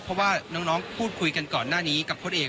เพราะว่าน้องพูดคุยกันก่อนหน้านี้กับพลเอก